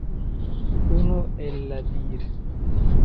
Unu el la dir.